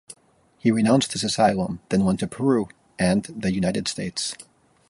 He renounced his asylum, then went to Peru and the United States.